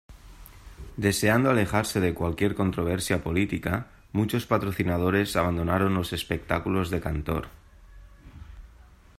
Deseando alejarse de cualquier controversia política, muchos patrocinadores abandonaron los espectáculos de Cantor.